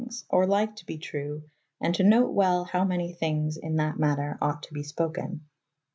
^, or lyke to be trew & to note well how many thynges in that mat^r ought to be spoken.